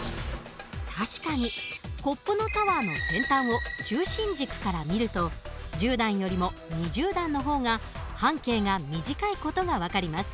確かにコップのタワーの先端を中心軸から見ると１０段よりも２０段の方が半径が短い事が分かります。